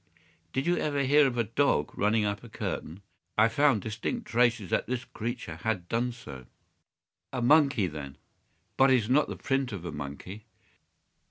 "Did you ever hear of a dog running up a curtain? I found distinct traces that this creature had done so." "A monkey, then?" "But it is not the print of a monkey."